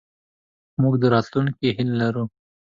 موږ د راتلونکې هیله لرو.